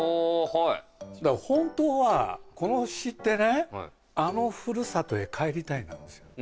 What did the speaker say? だから本当は、この詞ってね、あのふるさとへ帰りたいなんですよ。